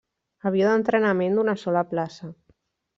Avió d'entrenament, d'una sola plaça.